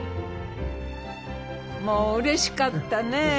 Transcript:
もううれしかったね